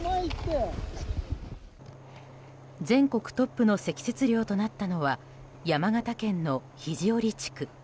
全国トップの積雪量となったのは山形県の肘折地区。